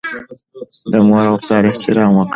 د مور او پلار احترام وکړئ.